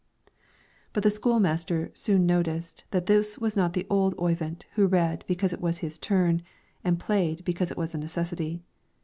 But the school master soon noticed that this was not the old Oyvind who read because it was his turn, and played because it was a necessity.